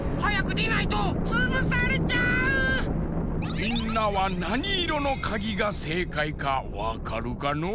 みんなはなにいろのかぎがせいかいかわかるかのう？